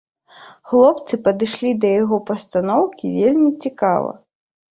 Хлопцы падышлі да яго пастаноўкі вельмі цікава.